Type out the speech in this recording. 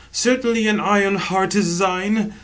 Certainly an iron heart is thine.